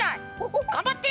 がんばって！